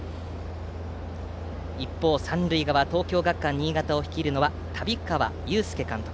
一方、三塁側の東京学館新潟を率いるのは旅川佑介監督。